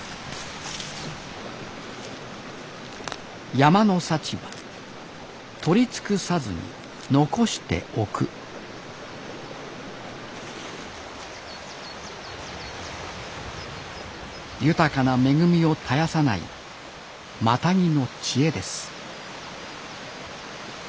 山の幸は取り尽くさずに残しておく豊かな恵みを絶やさないマタギの知恵です